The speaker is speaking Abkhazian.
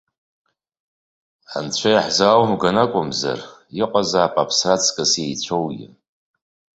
Анцәа иаҳзааумган акәымзар, иҟазаап аԥсра аҵкыс еицәоугьы.